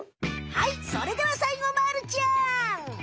はいそれではさいごまるちゃん！